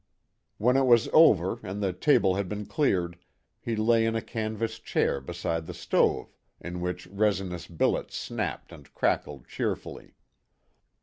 When it was over and the table had been cleared, he lay in a canvas chair beside the stove, in which resinous billets snapped and crackled cheerfully.